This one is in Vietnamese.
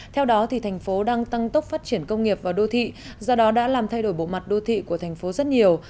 theo đó thành phố đang tăng tốc phát triển công nghiệp và đô thị do đó đã làm thay đổi bộ mặt đô thị của thành phố rất nhiều